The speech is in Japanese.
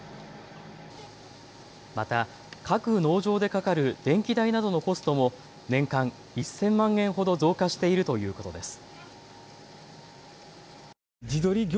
また各農場でかかる電気代などのコストも年間１０００万円ほど増加しているということです。